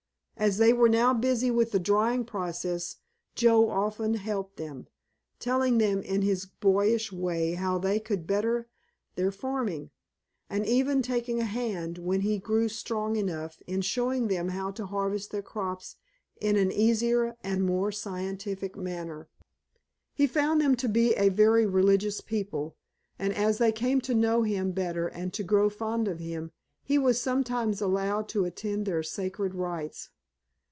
As they were now busy with the drying process Joe often helped them, telling them in his boyish way how they could better their farming, and even taking a hand, when he grew strong enough, in showing them how to harvest their crops in an easier and more scientific manner. He found them to be a very religious people, and as they came to know him better and to grow fond of him, he was sometimes allowed to attend their sacred rites.